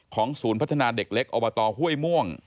ศูนย์พัฒนาเด็กเล็กอบตห้วยม่วง